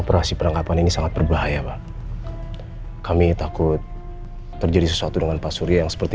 operasi penangkapan ini sangat berbahaya pak kami takut terjadi sesuatu dengan pak surya yang seperti